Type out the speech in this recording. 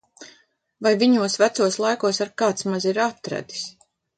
Vai viņos vecos laikos ar kāds maz ir atradis!